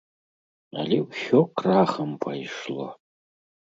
Але ўсё крахам пайшло.